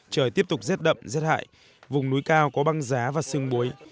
trời tiếp tục rét đậm rét hại vùng núi cao có băng giá và sương muối